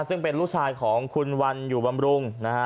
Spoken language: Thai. ซึ่งเป็นลูกชายของคุณวันอยู่บำรุงนะฮะ